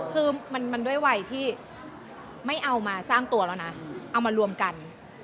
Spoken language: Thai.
คือมันด้วยวัยที่ไม่เอามาสร้างตัวแล้วนะเอามารวมกัน